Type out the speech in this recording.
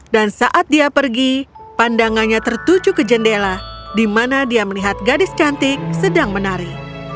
dan saat dia pergi pandangannya tertuju ke jendela di mana dia melihat gadis cantik sedang menari